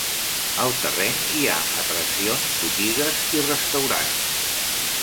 Al terreny hi ha atraccions, botigues i restaurants.